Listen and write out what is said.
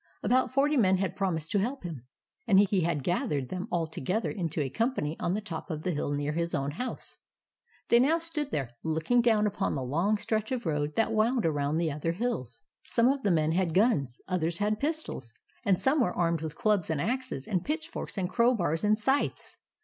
About forty men had promised to help him, and he had gathered them all to gether into a company on the top of the hill near his own house. They now stood there, looking down upon the long stretch of road that wound around the other hills. THE RESCUE OF JACK 221 Some of the men had guns, others had pistols, and some were armed with clubs and axes and pitchforks and crowbars and scythes.